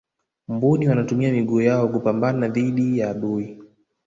mbuni wanatumia miguu yao kupambana dhidi ya adui